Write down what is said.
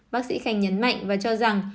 bác sĩ khanh nhấn mạnh và cho rằng